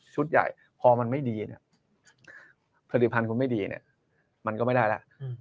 ใหญ่พอมันไม่ดีเนี่ยผลิตภัณฑ์คุณไม่ดีเนี่ยมันก็ไม่ได้แล้ว